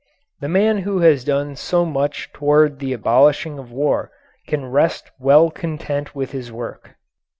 The man who has done so much toward the abolishing of war can rest well content with his work.